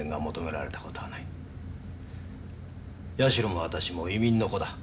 矢代も私も移民の子だ。